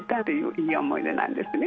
いい思い出なんですね